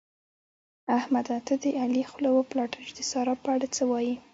احمده! ته د علي خوله وپلټه چې د سارا په اړه څه وايي؟